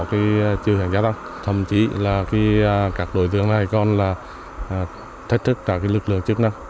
thì truyền giá tăng thậm chí là các đối tượng này còn là thách thức cả lực lượng chức năng